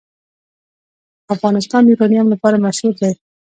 افغانستان د یورانیم لپاره مشهور دی.